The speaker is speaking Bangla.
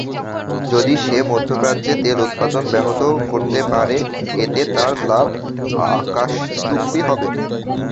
যদি সে মধ্যপ্রাচ্যে তেল উৎপাদন ব্যাহত করতে পারে, এতে তার লাভ আকাশচুম্বী হবে।